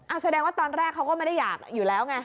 แสดงว่าตอนแรกเขาก็ไม่ได้อยากอยู่แล้วไง